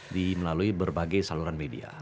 di melalui berbagai saluran media